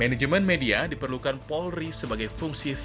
manajemen media diperlukan polri sebagai fungsi fact finding